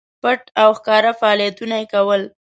پټ او ښکاره فعالیتونه کول.